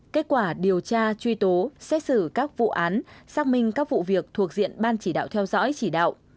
kết quả điều tra truy tố xét xử các vụ án xác minh các vụ việc thuộc diện ban chỉ đạo theo dõi chỉ đạo